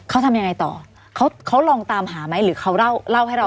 เขาทำยังไงต่อเขาลองตามหาไหมหรือเขาเล่าให้เราทำไว้